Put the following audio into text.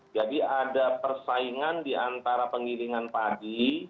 jadi ada persaingan di antara penggilingan pagi